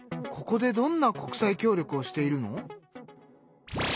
ここでどんな国際協力をしているの？